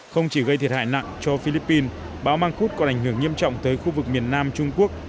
không chỉ gây thiệt hại nặng cho philippines bão mang khúc còn ảnh hưởng nghiêm trọng tới khu vực miền nam trung quốc